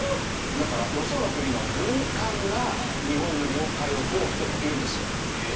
だからよその国の軍艦が日本の領海を通ってもいいんですよ。